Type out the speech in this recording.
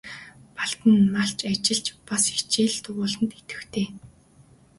Балдан нь малч, ажилч, бас хичээл дугуйланд идэвхтэй.